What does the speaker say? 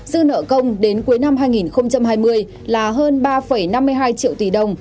dư nợ công đến cuối năm hai nghìn hai mươi là hơn ba năm mươi hai triệu tỷ đồng